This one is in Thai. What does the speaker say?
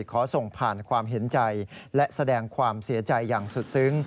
ขอส่งผ่านความเห็นใจและแสดงความเสียใจอย่างสุดซึ้ง